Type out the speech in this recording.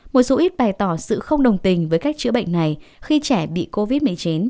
một số ít bày tỏ sự không đồng tình với cách chữa bệnh này khi trẻ bị covid một mươi chín